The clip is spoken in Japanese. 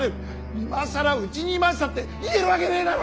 今更うちにいましたって言えるわけねえだろ！